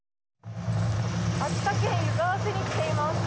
秋田県湯沢市に来ています。